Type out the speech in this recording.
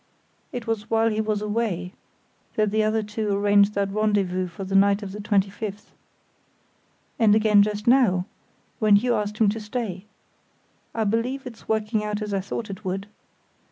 It was while he was away that the other two arranged that rendezvous for the night of the 25th. And again just now, when you asked him to stay. I believe it's working out as I thought it would.